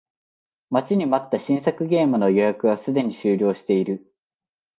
待ちに待った新作ゲームの予約がすでに終了している